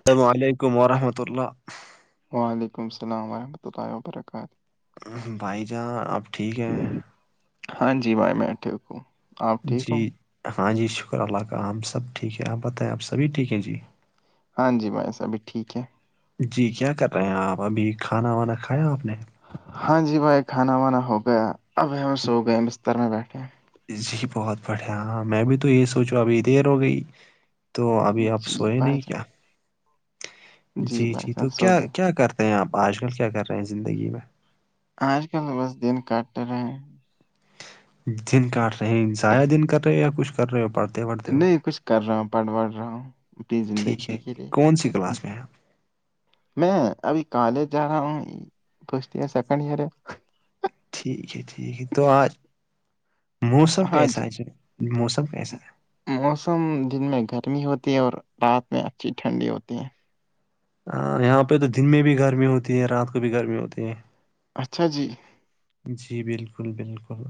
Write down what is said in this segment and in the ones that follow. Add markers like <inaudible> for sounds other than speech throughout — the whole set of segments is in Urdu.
السلام علیکم وور رحمۃ اللہ وعلیکم السلام ورحمۃ اللہ و برکاتہ بھائی جاناں اب ٹھیک ہے ہاں جی بائے میںٹٹوکوں جی ہاں جی شکر اللہ کا ہم سب ٹھیک ہے آپ بتائیں آپ سبھی ٹھیک ہیں جی ہاں جی بھائی صابھی ٹھیک ہے جی کیا کر رہے ہیں آپ ابھی کھانا وانا کھایا آپ نے ہاں جی بھائی کھانا وانا ہو گیا اب ہم سو گئے بستر میں بیٹھے جی بہت بڑھیا ہاں میں بھی تو یہی سوچوں ابھی دیر ہو گئی تو ابھی آپ جی سوئے بھائی نہیں کیا جان جی بھائی جی جان تو سو کیا گئے کیا کرتے ہیں آپ آج کل کیا کر رہے ہیں زندگی میں آج کل تو بس دن کاٹ رہے دن کاٹ رہے ہیں ضائع دن کر رہے یا کچھ کر رہے ہو پڑھتے وڑھتے ہو نہیں کچھ کر رہا ہوں پڑھ وڑھ رہا ہوں اپنی ٹھیک زندگی ہے کے لیے کون سی کلاس میں <unintelligible> میں ابھی کالج جا رہا ہوں فرسٹ ایئر سیکنڈ ایئر ہے ٹھیک ہے ٹھیک ہے تو آج موسم ہاں جی کیسا موسم کیسا ہے موسم دن میں گرمی ہوتی ہے اور رات میں اچھی ٹھنڈی ہوتی ہے ہاں یہاں پہ تو دن میں بھی گرمی ہوتی ہے رات کو بھی گرمی ہوتی ہے اچھا جی جی بالکل بالکل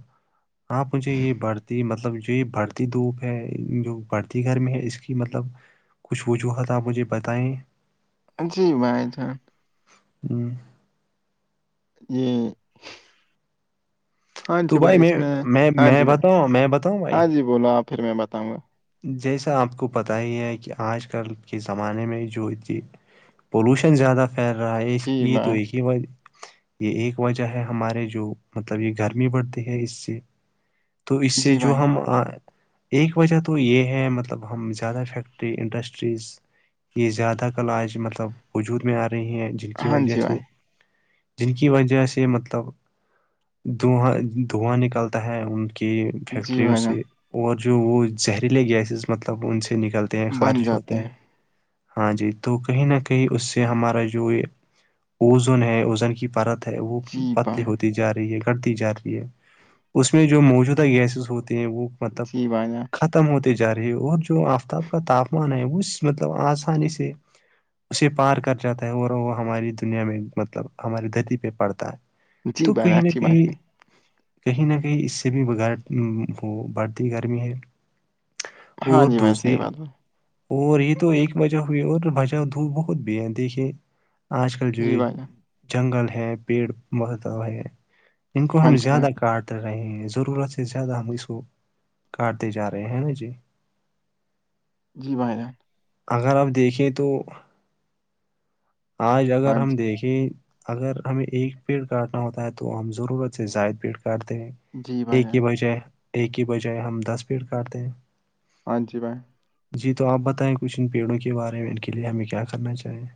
آپ مجھے یہ بڑھتی مطلب جو یہ بڑھتی دھوپ ہے جو بڑھتی گھر میں ہے اس کی مطلب کچھ وجوہات آپ مجھے بتائیں جی بھائی جان ہممم جی ہاں تو جی بھائی میں اس میں ہاں میں جی بھائی بتاؤں میں بتاؤں بھائی ہاں جی بولو آپ پھر میں بتاؤں گا جیسا آپ کو پتہ ہی ہے کہ آج کل کے زمانے میں جو پولوشن زیادہ پ رہا ہے اس جی کی تو ایک بھائی ہی وج یہ ایک وجہ ہے ہمارے جو مطلب یہ گھر بڑھتی ہے اس سے تو اس سے جی جو بھائی ہم ایک وجہ تو یہ ہے مطلب ہم زیادہ فیکٹری انڈسٹریز یہ زیادہ کل آج مطلب وجود میں آ رہی ہیں جن کی ہاں وجہ جی سے بھائی جن کی وجہ سے مطلب دھواں دھواں نکلتا ہے ان کی جی فیکٹریوں بھائی جان سے اور جو وہ زہریلے گیسز مطلب ان سے نکلتے ہیں بن خارج جاتے ہوتے ہیں ہاں جی تو کہیں نہ کہیں اس سے ہمارا جو یہ اوزون ہے اوزن کی پرت ہے وہ جی پتلی بھائی ہوتی جا رہی ہے دی جا رہی ہے اس میں جو موجودہ گیسز ہوتے ہیں وہ مطلب جی بھائی جان ختم ختم ہوتی جا رہی ہے اور جو آفتاب کا تاپمان ہے وہ مطلب آسانی سے اسے پار کر جاتا ہے اور وہ ہماری دنیا میں مطلب ہماری دتی پہ پڑتا ہے جی تو بھائی جان کہیں نہ اچھی کہ بات ہے کہیں نہ کہیں اس سے بھی بیر بڑھتی گرمی ہے ہاں اور جی بھائی دوسری صحیح بات بھائی اور یہ تو ایک مجہ ہوئی اور بجا دھوپ بہت بھی ہے دیکھیے آج کل جو جی یہ بھائی جان جنگل ہے پیڑ بہت ہے ان کو ہاں ہم جی بھائی زیادہ کاٹ رہیں ضرورت سے زیادہ ہم اس کو کاٹتے جا رہے ہیں نا جی <inaudible> جی بھائی ج اگر آپ دیکھیں تو آج اگر ہاں ہم جی دیکھیں اگر ہمیں ایک پیڑ کاٹنا ہوتا ہے تو ہم ضرورت سے زائد پیڑ کاٹتے ہیں جی بھائی ایک ہی جان بجائے ایک ہی بجائے ہم دس پیڑ کاٹتے ہیں ہاں جی میںائ جی تو آپ بتائیں کچھ ان پیڑوں کے بارے میں ان کے لیے ہمیں کیا کرنا چاہییں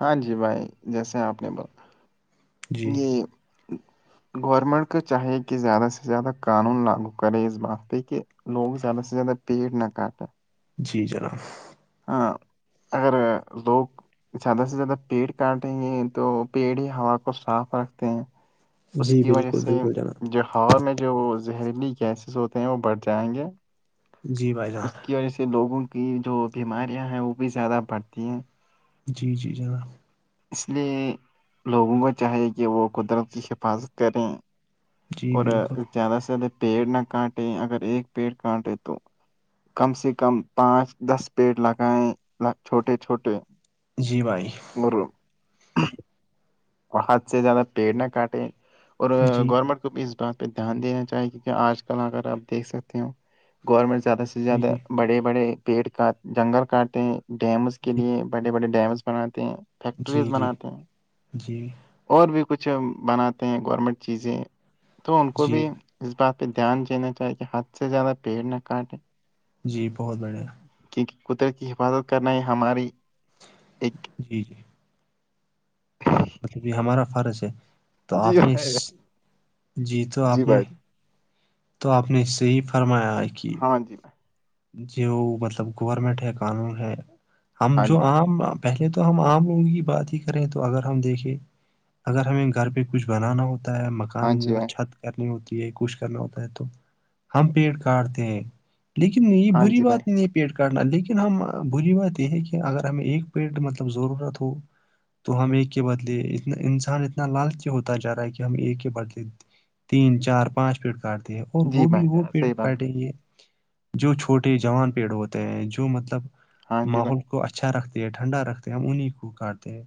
ہاں جی بھائی جیسے آپ نے ب جی یہ گورنمنٹ کو چاہیے کہ زیادہ سے زیادہ قانون لاگو کرے اس بات پہ کہ لوگ زیادہ سے زیادہ پیٹ نہ کٹ جی جناب ہاں اگر زگ زیادہ سے زیادہ پیڑ کاٹیں گے تو پیڑ ہی ہوا کو صاف رکھتے ہیں اس جی کی وجہ بالکل سے بالکل جناب جو ہوا میں جو وہ زہریلی گیسز ہوتے ہیں وہ بڑھ جائیں گے جی بھائی اس جان کی وجہ سے لوگوں کی جو بیماریاں ہیں وہ بھی زیادہ بڑھتی ہیں جی جی جناب اس لیے لوگوں کو چاہیے کہ وہ قدرت کی حفاظت کریں جی اور بالکل زیادہ سے زیادہ پیڑ نہ کاٹے اگر ایک پیڑ کاٹے تو کم سے کم پانچ دس پیڑ لگائےیں چھوٹے چھوٹے جی بھائی ب اور حد سے زیادہ پیڑ نہ کاٹے اور جی گورنمنٹ بھی اس بات پہ دھیان دین چاہیے کی آج کل اگر آپ دھ سکتے ہو گورنمنٹ زیادہ سے سے جی زیادہ جی بڑے بڑے پیڑ کاٹ جنگل کاٹے ہیں ڈیمز کے جی لیے بڑے بڑے ڈیمس بناتے ہیں جی فیکٹریز جی بناتے ہیں جی اور بھی کچھ بناتے ہیں گورنمنٹ چیزیں تو ان کو جی بھی اس بات پہ دھیان دینا چاہے کہ حد سے زیادہ پیڑ نہ کاٹے جی بہت بڑھیا کیونکہ قدرت کی حفاظت کرنا یہ ہماری ایک جی جی مطلب یہ ہمارا فرض ہے تو جی آپ نے بھائی جان، جی تو آپ نے بھائی جان، تو آپ نے اس سے ہی فرمایا کی ہاں جی میں جو مطلب گورنمنٹ ہے قانون ہے ہم ہاں جی جو بھائی عام پہلے تو ہم عام لوگوں کی بات ہی کریں تو اگر ہم دیکھیں اگر ہمیں گھر پہ کچھ بنانا ہوتا ہے م کان ہاں جی میں بھائی چھت کرنی ہوتی ہے کچھ کرنا ہوتا ہے تو ہم پیٹ کاٹتے ہیں نہیں یہ ہاں بری جی بھائی بات نہیں پیٹ کاٹنا لیکن ہم بری بات یہ ہے کہ اگر ہمیں ایک پیٹ مطلب ضرورت ہو تو ہم ایک کے بدلے اتنا انسان اتنا لالچ ہوتا جا رہا ہے کہ ہم ایک کے بدلے تین چار پانچ پیڑ کاٹتے ہیں اور جی وہ بھی بھائی وہ جان پیڑ صحیح بات بھائی کاٹیں گے جو چھوٹے جوان پیڑ ہوتے ہیں جو مطلب ہاں جی بھائی ماحول اچھا رکھتے ہیں ٹھنڈا رکھتے ہیں ہم انہیں کو کاٹتے ہیں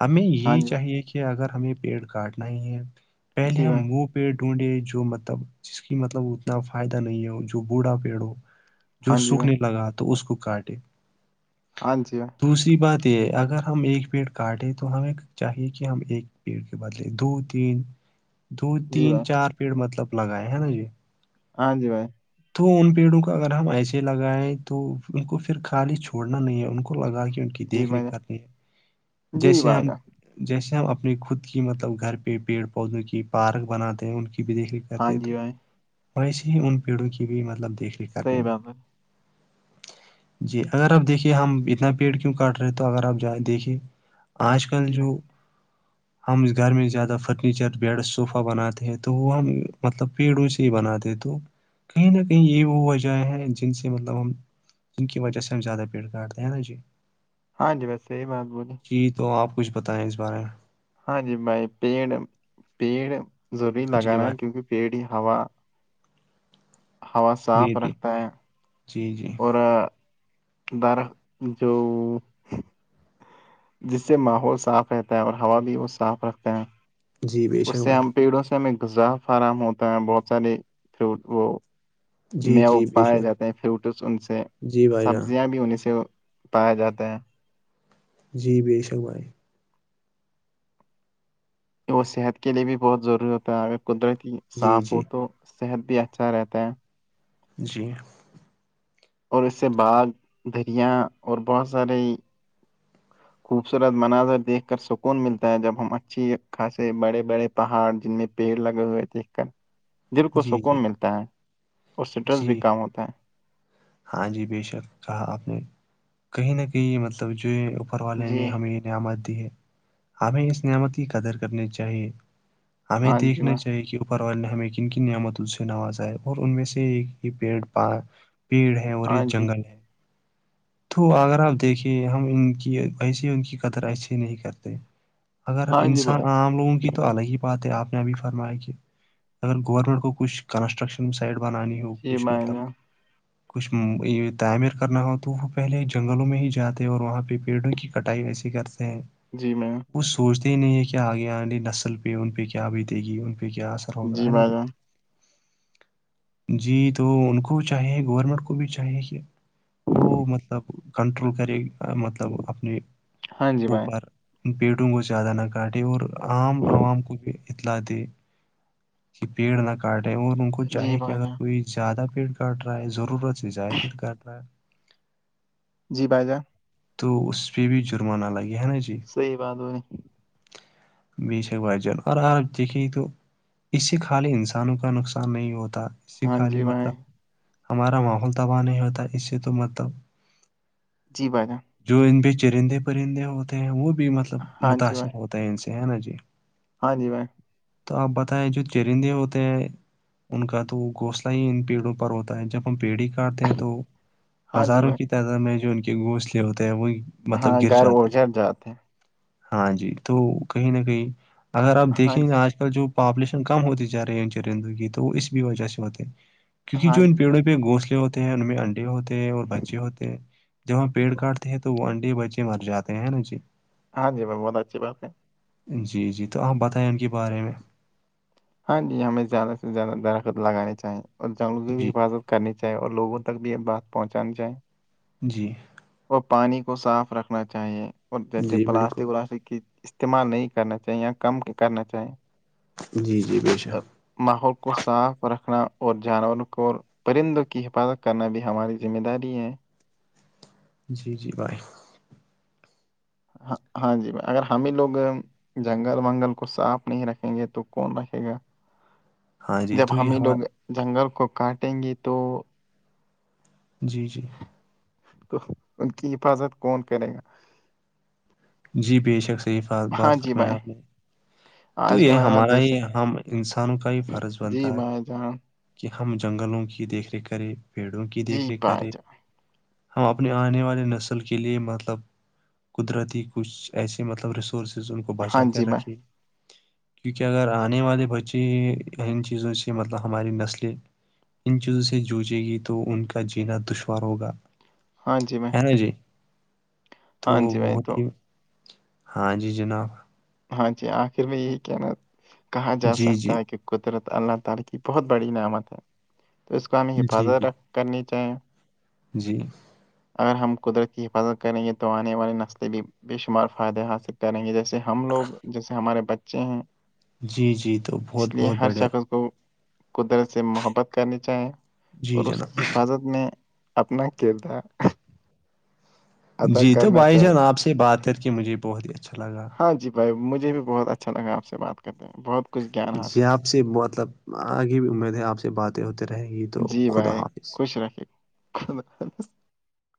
ہمیں ہاں یہ جی بھائی چاہیے کہ اگر ہمیں پیٹ کاٹنا ہی ہے پہلے جی ہم بھائی وہ پیڑ ڈھونڈے جو مطلب جس کی مطلب اتنا فائدہ نہیں ہو جو بوڑھا پیڑ ہو جو ہاں جی بھائی سوکھنے لگا تو اس کو کاٹے ہاں جی دوسری بات یہ اگر ہم ایک پیٹ کاٹیں تو ہم ایک چاہیے کہ ہم ایک پیڑ کے بدلے دو تین دو جی تین بھائی چار پیڑ مطلب لگائے ہے نا جی ہاں جی بھائی تو ان پیڑوں کو اگر ہم ایسے لگائےیں تو ان کو پھر خالی چھوڑنا نہیں ہے ان کو لگا کے کی جی دیکھ بھائی ریکھ جان کرنی ہے جی جیسے بھائی ہم جان جیسے ہم اپنی خود کی مطلب گھر پہ پیڑ پودوں کی پارک بناتے ہیں ان کی بھی دیکھ ر ہاں کہتے جی تو بھائی ویسے ہی ان پیڑوں کی بھی مطلب دیکھ رھ کرنی صحیح میں بات بھائی <unintelligible> <inaudible> جی اگر آپ دیکھیے ہم اتنا پیڑ کیوں کاٹ رہے تو اگر آپ جائیں دیکھیے آج کل جی بھائی جو ہم گھر میں زیادہ فرنیچر بیڈ صوفہ بناتے ہیں تو وہ ہم مطلب پیڑوں سے ہی بناتے ہیں تو کہیں نہ کہیں یہ وہ وجہ ہیں جن سے مطلب ہم جن کی وہ سے زیاہ بییٹ گاٹ ہے نا جی ہاں جی ویسے صحیح بات بولی جی تو آپ کچھ بتائیں اس بارے میں ہاں جی بھائی پیڑ پیڑ ضروری جی لگانا بھائی ہے کیونکہ پیڑ ہی ہوا ہوا جی صاف جی رکھتا ہے جی جی اور درخت جو جس سے ماحول صاف رہتا ہے اور ہوا بھی وہ صاف رکھتا ہے جی بے اس شک سے بھائی ہم پیڑوں سے ہمیں غذا فراہم ہوتا ہے بہت سارے فرو وہ جی مو جی بے پائے شک جاتے ہیں فروٹس ان سے جی بھائی جان سبزیاں بھی انیں سے پائے جاتے ہیں جی بے شک بھائی وہ صحت کے لیے بھی بہت ضروری ہوتا ہے اگر قدرتی جی صاف جی ہو تو صحت بھی اچھا رہتا ہے جی اور اس سے تو باغ دریا اور بہت سارے خوبصورت مناظر دیکھ کر سکون ملتا ہے جب ہم اچھی خاصے بڑے بڑے پہاڑ جن میں پیڑ لگے ہوئے دیکھ کر ہی <inaudible> دل کو سکون ملتا ہے اور سٹریس بھی جی کم ہوتا ہے ہاں جی بے شک کہا آپ نے کہیں نہ کہیں مطلب جو ہے والے نے ہمیں نعمت دی ہے ہمیں اس نعمت کی قدر کرنی چاہیے ہمیں ہاں جی دیکھنا بھائی چاہیے کہ اوپر والے نے ہم کن کی نعمت ان سے نوازاائے اور ان میں سے ایک ہی پ پیڑ ہے اور یہ ہاں جی جنگل ہے تو اگر آپ دیکھیں ہم ان کی ایسے ہی ان کی قطر ایسے ہی نہیں کرتے اگر ہاں جی انسان بھائی عام لوگوں کی تو الگ ہی بات ہے آپ نے ابھی فرمایا کہ اگر گورنمنٹ کو کچھ کنسٹرکشن سائڈ بنانی ہو جی کچھ بھائی مطلب جان کچھ تعمیر کرنا ہو تو وہ پہلے جنگلوں میں ہی جاتے اور وہاں پہ پیڑوں کی کٹائی ویسی کرتے ہیں جی میں وہ سوچتے ہی نہیں ہے کہ آگے آی نسل پہ ان پہ کیا بیت گی ان پہ کیا جی ہوگا ہے نا باجا جی تو ان کو بھی چاہے گورنمنٹ کو بھی چاہیے کیا وہ مطلب کنٹرول کرے مطلب اپنے ہاں جی بھائی اوپر پیٹوں کو زیادہ نہ کاٹے اور عام عوام کو بھی اطلاع دے کہ پیڑ نہ کاٹے اور ان کو جی چاہے کہ بھائی اگر جان کوئی زیادہ پیڑ کاٹ رہا ہے ضرورت سے زائدہ پیڑ کاٹ رہا ہے جی بھائی جان تو اس پہ بھی جرمانہ لگے ہے نا صحیح باتو نہیں بیش ایک بار جن اور آ دیکھے تو اس سے خالی انسانوں کا نقصان نہیں ہوتا اس سے ہاں خالی جی بھائی مطلب ہمارا ماحول تباہ نہیں ہوتا اس سے تو مطلب جی بجا جو ان پہ چرندے پرندے ہوتے ہیں وہ بھی مطلب ہاں جی بھائی متاثر ہوتے ہیں ان سے ہے نا جی ہاں جی بائی تو آپ بتائیں جو چرندے ہوتے ہیں ان کا تو گونسلہ ہی ان پیڑوں پر ہوتا جب ہم پیڑھی کاٹتے ہیں تو ہاں جی ہزاروں بھائی کی تعداد میں جو ان کے گھسلے ہوتے ہیں وہ مطلب ہاں گر گھر جاتے ہیں اجڑ جاتے ہیں ہاں جی تو کہیں نہ کہیں اگر آپ ہاں دیکھیںا جی آج کل جو پاپولیشن کم ہوتی جا رہیچ رندو کی تو وہ اس بھی وجہ سے ہوتے کیونکہ ہاں جو ان جی بھائی پیڑوں پہ گونسے ہوتے ہیں ان میں انڈے ہوتے ہیں اور بچے ہوتے ہیں جب وہاں پیڑ کاٹتے ہیں تو وہ انڈے بچے مر جاتے ہیں نا جی ہاں جیم بہت اچھی بات ہے جی جی تو آپ بتائیں ان کے بارے میں ہاں جی ہمیں زیادہ سے زیادہ درخت لگانے چاہییں اور جنگلوں کی بھی جی حفاظت کرنی چاہییں اور لوگوں تک بھی یہ بات پہنچانی چاہیں جی اور پانی کو صاف رکھنا چاہیے اور جیسے جی پلاسٹک بالکل ولاسٹک کی استعمال نہیں کرنا چاہیے کم کرنا چاہییں جی جی ب ماحول کو صاف رکھنا اور جانوروں کو پرندوں کی حفاظت کرنا بھی ہماری ذمہ داری ہے جی جی بھائے <unintelligible> ہ ہاں جی اگر ہمیں لوگ جنگل ونگل کو صاف نہیں رکھیں گے تو کون رکھے گا ہاں جی جب تو یہ ہمیں ہمار لوگ جنگل کو کاٹیں گے تو جی جی تو ان کی حفاظت کون کرے گا جی بے شک صیف گا ہاں بات جی بھائی فرمایا آپ نے تو آج یہ کل ہمارا ہی دیش ہے ہم انسانوں کا ہی فرض جی بنتا ہے بھائی جان کہ ہم جنگلوں کی دیکھ ریکھ کریں پیڑوں کی جی دیکھ ریکھ بھائی کرے جان ہم اپنے آنے والے نسل کے لیے مطلب قدرتی کچھ ایسے مطلب ریسورسز ان کو ہاں بچا کر جی بھائی رکھے کیونکہ اگر آنے والے بچے ان چیزوں سے مطلب ہماری نسلیں ان چیزوں سے جوچے گی تو ان کا جینا دشوار ہوگا ہاں جی میں ہے نا جی تو بہت تو ہی ہاں جی جناب ہاں جی آخر میں یہی کہ ن کہا جا جی جی سکتا ہے کہ <inaudible> جی جی جی اگر ہم قدرت کی حفاظت کریں گے تو آنے والی نسلیں بھی بے شمار فائدے حاصل کریں گے جیسے ہم لوگ جیسے ہمارے بچے ہیں جی جی تو بہت اس لیے بہت ہر بڑھیا شخص اس کو قدرت سے محبت کرنی چاہیں جی اور جناب اس کی حفاظت میں اپنا کردار ادا جی تو کرنا بھائی چاہیے جان آپ سے بات کر کے مجھے بہت ہی اچھا لگا ہاں جی بھائی مجھے بھی بہت اچھا لگا آپ سے بات کرتے ہیں بہت کچھ گیان جی حاصل آپ سے مطلب آگے بھی امید ہے آپ سے سے باتیں ہوتے رہیں گی تو خدا حافظ ش رکھے <inaudible>